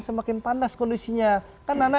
semakin panas kondisinya kan nana